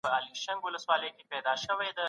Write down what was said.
ټولنیز محصولات باید کیفیت ولري.